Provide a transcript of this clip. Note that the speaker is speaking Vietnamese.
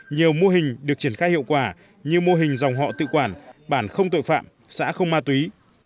nhiều mô hình được triển khai hiệu quả như mô hình dòng họ tự quản bản không tội phạm xã không ma túy